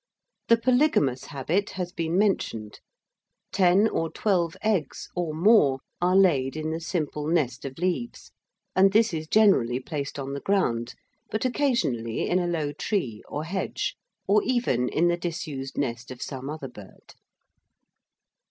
The polygamous habit has been mentioned. Ten or twelve eggs, or more, are laid in the simple nest of leaves, and this is generally placed on the ground, but occasionally in a low tree or hedge, or even in the disused nest of some other bird.